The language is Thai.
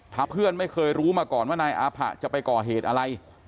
ถ้าเพื่อนไม่เคยรู้มาก่อนว่านายอาผะจะไปก่อเหตุอะไร